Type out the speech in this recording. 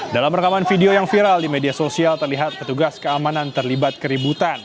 dalam rekaman video yang viral di media sosial terlihat petugas keamanan terlibat keributan